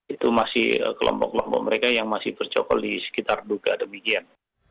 itu masih kelompok kelompok mereka yang masih bercokol di sekitar duka demikian